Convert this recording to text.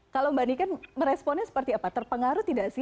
kalau mbak niken meresponnya seperti apa terpengaruh tidak sih